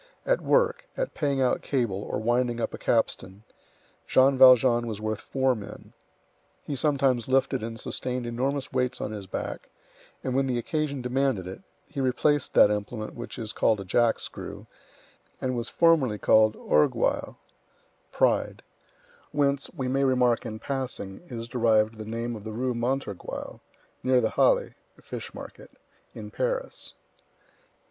At work, at paying out a cable or winding up a capstan, Jean Valjean was worth four men. He sometimes lifted and sustained enormous weights on his back; and when the occasion demanded it, he replaced that implement which is called a jack screw, and was formerly called orgueil [pride], whence, we may remark in passing, is derived the name of the Rue Montorgueil, near the Halles [Fishmarket] in Paris. His comrades had nicknamed him Jean the Jack screw.